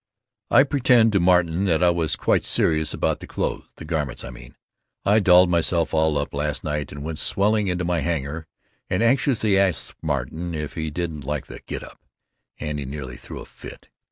I pretended to Martin that I was quite serious about the clothes, the garments I mean. I dolled myself all up last night and went swelling into my hangar and anxiously asked Martin if he didn't like the get up, and he nearly threw a fit.